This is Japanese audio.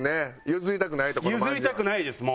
譲りたくないですもう。